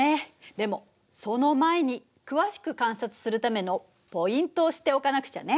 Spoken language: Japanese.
でもその前に詳しく観察するためのポイントを知っておかなくちゃね。